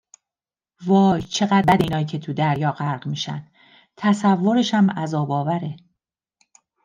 وای چقدر بده اینایی که توی دریا غرق میشن! تصورشم عذاب آوره!